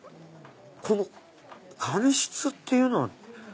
この紙質っていうのは。